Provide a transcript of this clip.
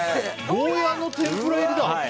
ゴーヤの天ぷら入りだ！